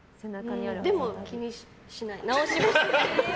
でも、気にしない。